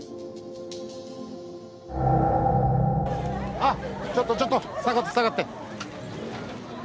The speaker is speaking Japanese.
あっちょっとちょっと下がって下がって。